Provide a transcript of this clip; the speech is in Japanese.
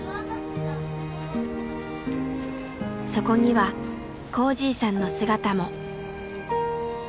そこにはこーじぃさんの姿も。